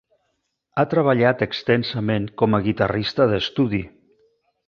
Ha treballat extensament com a guitarrista d'estudi.